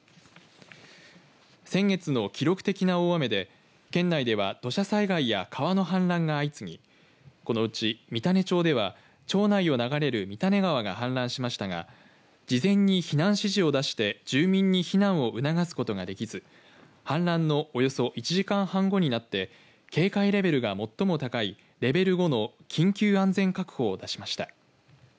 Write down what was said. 先月の記録的な大雨で県内では土砂災害や川の氾濫が相次ぎこのうち三種町では町内を流れる三種川が氾濫しましたが事前に避難指示を出して住民に避難を促すことができず氾濫のおよそ１時間半後になって警戒レベルが最も高いレベル５の緊急安全確保を出しました。